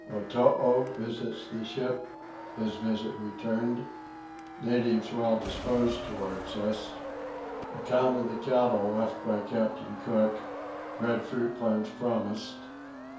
Otoo visits the Ship. His Visit returned. Natives well disposed towards us. Account of the Cattle left by Captain Cook. Breadfruit plants promised.